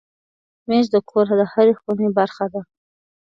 مېز د کور د هرې خونې برخه ده.